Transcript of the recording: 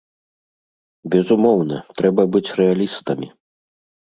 Безумоўна, трэба быць рэалістамі.